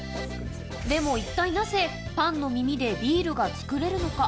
でも、一体なぜ、パンの耳でビールが作れるのか。